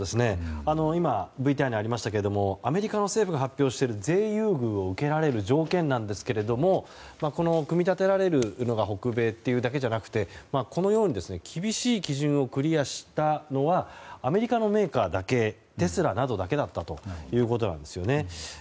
今、ＶＴＲにありましたがアメリカの政府が発表している税優遇を受けられる条件ですがこの組み立てられるのが北米というだけではなくてこのように厳しい基準をクリアしたのはアメリカのメーカーだけテスラなどだけだったということなんですね。